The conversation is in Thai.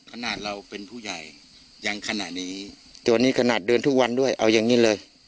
ขนาดเราเป็นผู้ใหญ่ยังขนาดนี้ตัวนี้ขนาดเดินทุกวันด้วยเอาอย่างนี้เลย